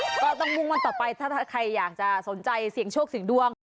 ก็ต้องมุ่งมั่นต่อไปถ้าใครอยากจะสนใจเสี่ยงโชคเสี่ยงดวง